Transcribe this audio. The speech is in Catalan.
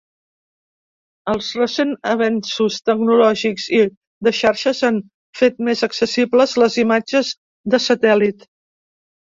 Els recents avenços tecnològics i de xarxes han fet més accessibles les imatges de satèl·lit.